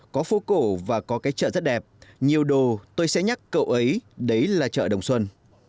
có phố cổ và có cái chợ rất đẹp nhiều đồ tôi sẽ nhắc cậu ấy đấy là chợ đồng xuân